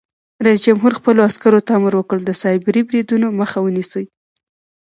رئیس جمهور خپلو عسکرو ته امر وکړ؛ د سایبري بریدونو مخه ونیسئ!